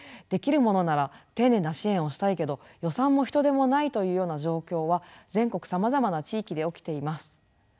できるものなら丁寧な支援をしたいけど予算も人手もないというような状況は全国さまざまな地域で起きています。